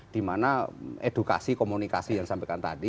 di mana edukasi komunikasi yang disampaikan tadi terkait